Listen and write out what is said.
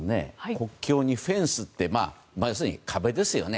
国境にフェンスって要するに壁ですよね